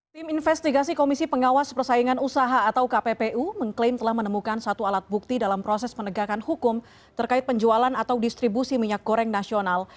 tim investigasi komisi pengawas persaingan usaha atau kppu mengklaim telah menemukan satu alat bukti dalam proses penegakan hukum terkait penjualan atau distribusi minyak goreng nasional